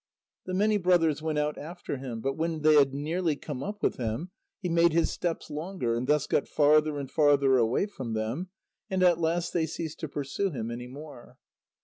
The many brothers went out after him, but when they had nearly come up with him, he made his steps longer, and thus got farther and farther away from them, and at last they ceased to pursue him any more.